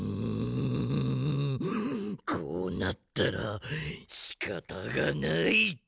んんこうなったらしかたがない！